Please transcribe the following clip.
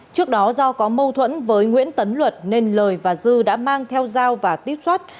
trước đó do có mâu thuẫn với nguyễn tấn luật nên lời và dư đã mang theo dao và tiếp xuất